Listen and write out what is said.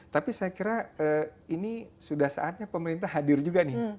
tapi saya kira ini sudah saatnya pemerintah hadir juga nih